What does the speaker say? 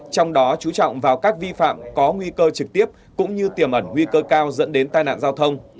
trong đó chú trọng vào các vi phạm có nguy cơ trực tiếp cũng như tiềm ẩn nguy cơ cao dẫn đến tai nạn giao thông